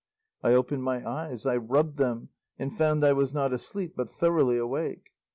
I opened my eyes, I rubbed them, and found I was not asleep but thoroughly awake.